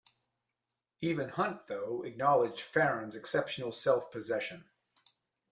Even Hunt, though, acknowledged Farren's exceptional self-possession.